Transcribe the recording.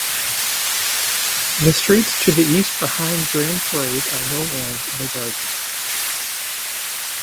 The streets to the east behind Grand Parade are known as 'The Gardens'.